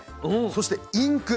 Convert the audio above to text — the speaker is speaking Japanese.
そしてインク。